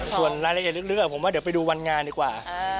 ส่วนรายละเอียดลึกผมว่าเดี๋ยวไปดูวันงานดีกว่า